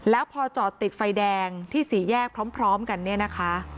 แล้วพอจอดติดไฟแดงที่สี่แยกพร้อมกันเนี่ยนะคะ